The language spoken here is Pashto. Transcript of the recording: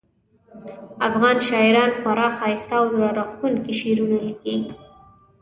افغان شاعران خورا ښایسته او زړه راښکونکي شعرونه لیکي